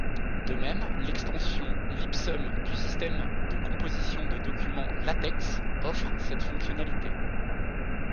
De même, l'extension lipsum du système de composition de documents LaTeX offre cette fonctionnalité.